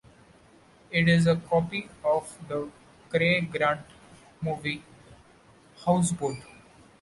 It is a copy of the Cary Grant movie "Houseboat".